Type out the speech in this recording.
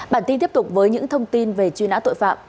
bản tin tiếp tục với những thông tin về truy nã tội phạm